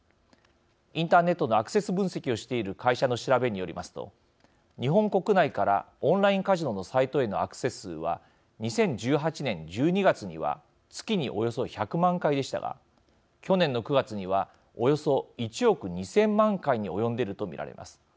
インターネットのアクセス分析をしている会社の調べによりますと日本国内からオンラインカジノのサイトへのアクセス数は２０１８年１２月には月に、およそ１００万回でしたが去年の９月にはおよそ１億２０００万回に及んでいると見られます。